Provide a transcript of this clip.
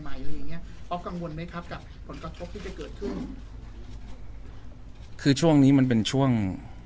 อะไรอย่างเงี้ยออฟกังวลไหมครับกับผลกระทบที่จะเกิดขึ้นคือช่วงนี้มันเป็นช่วง